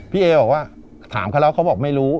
พี่เอบอกว่าถามเขาแล้วเขาบอกไม่รู้